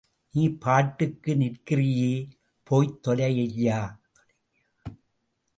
நீ பாட்டுக்கு நிற்கிறியே போய்த் தொலய்யா.